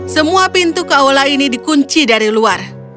semua pintu kaula ini dikunci dari luar